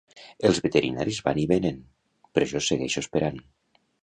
Els veterinaris van i venen, però jo segueixo esperant.